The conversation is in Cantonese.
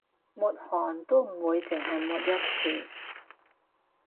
抹汗都唔會淨係抹一次